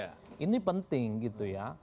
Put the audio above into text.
tapi itu penting gitu ya